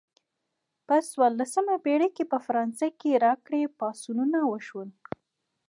په څوارلسمه پیړۍ کې په فرانسه کې راکري پاڅونونه وشول.